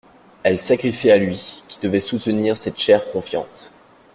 Elle s'agriffait à lui, qui devait soutenir cette chair confiante.